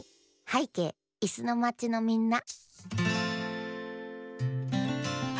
「はいけいいすのまちのみんな」